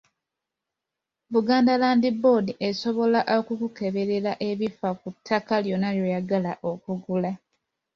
Buganda Land Board esobola okukukeberera ebifa ku ttaka lyonna ly'oyagala okugula.